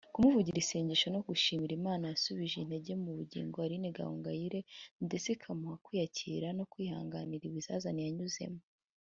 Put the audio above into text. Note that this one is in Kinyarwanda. kumuvugira isengesho no gushimira Imana yasubije intege mu bugingo Aline Gahongayire ndetse ikamuha kwiyakira no kwihanganira ibizazane yanyuzemo